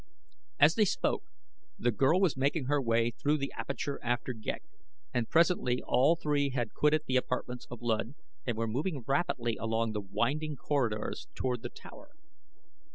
As they spoke the girl was making her way through the aperture after Ghek, and presently all three had quitted the apartments of Luud and were moving rapidly along the winding corridors toward the tower.